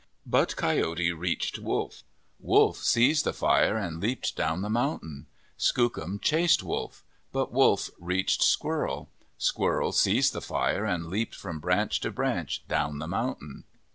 But Coyote reached Wolf. Wolf seized the fire and leaped down the mountain. Skookum chased Wolf. But Wolf reached Squirrel. Squirrel seized the fire and leaped from branch to branch down the mountain.